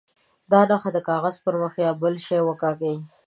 دا نښه د کاغذ پر مخ یا بل شي وکاږي.